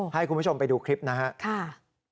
ให้คุณผู้ชมไปดูคลิปนะครับ